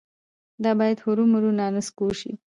دا باید هرومرو رانسکور شي.